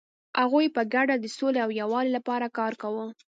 هغوی په ګډه د سولې او یووالي لپاره کار کاوه.